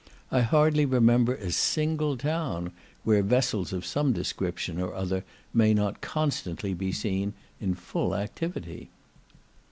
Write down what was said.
I hardly remember a single town where vessels of some description or other may not constantly be seen in full activity.